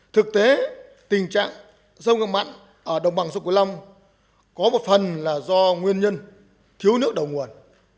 thực tế tình trạng xâm ngọt mặn ở đồng bằng sông kiểu long có một phần là do nguyên nhân thiếu nước đầu nguồn